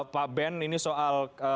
pak ben ini soal